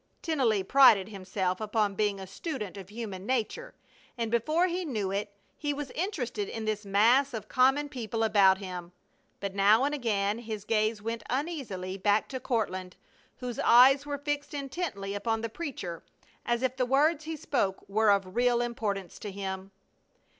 Tennelly prided himself upon being a student of human nature, and before he knew it he was interested in this mass of common people about him. But now and again his gaze went uneasily back to Courtland, whose eyes were fixed intently upon the preacher, as if the words he spoke were of real importance to him.